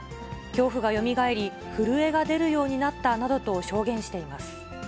恐怖がよみがえり、震えが出るようになったなどと証言しています。